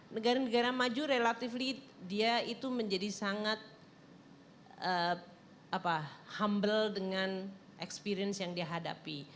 negara negara maju relatively dia itu menjadi sangat humble dengan experience yang dihadapi